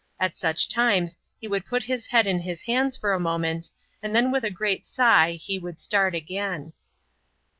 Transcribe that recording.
At such times he would put his head in his hands for a moment, and then with a great sigh he would start again.